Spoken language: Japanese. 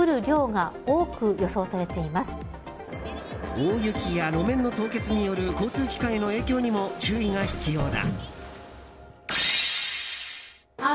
大雪や路面の凍結による交通機関への影響にも注意が必要だ。